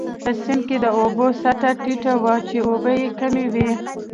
په سیند کې د اوبو سطحه ټیټه وه، چې اوبه يې کمې وې.